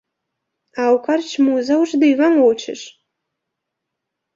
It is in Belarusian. А ў карчму заўжды валочыш.